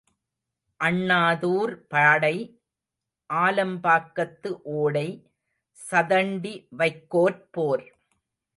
அண்ணாதூர் பாடை, ஆலம்பாக்கத்து ஓடை, சதண்டி வைக்கோற் போர்.